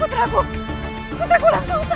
putra kurang kota